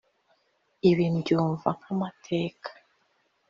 Ibi mbyumva nkamateka